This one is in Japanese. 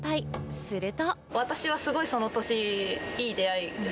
すると。